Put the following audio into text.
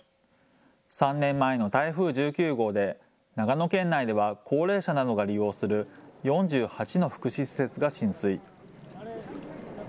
３年前の台風１９号で長野県内では高齢者などが利用する４８の福祉施設が浸水。